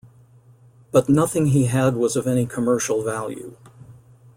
But nothing he had was of any commercial value.